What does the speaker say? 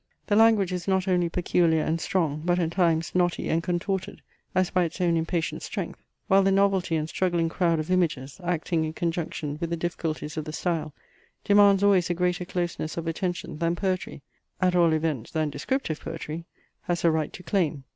The language is not only peculiar and strong, but at times knotty and contorted, as by its own impatient strength; while the novelty and struggling crowd of images, acting in conjunction with the difficulties of the style, demands always a greater closeness of attention, than poetry, at all events, than descriptive poetry has a right to claim.